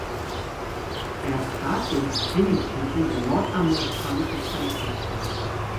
Er trat dem Trainingszentrum der nordamerikanischen Franchise bei.